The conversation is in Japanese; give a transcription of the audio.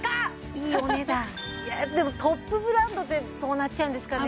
いいお値段でもトップブランドでそうなっちゃうんですかね